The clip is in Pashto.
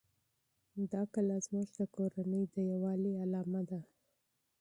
دا کلا زموږ د کورنۍ د یووالي نښه ده.